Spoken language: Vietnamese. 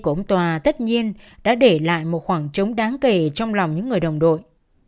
của ông tòa tất nhiên đã để lại một khoảng trống đáng kể trong lòng những người đồng đội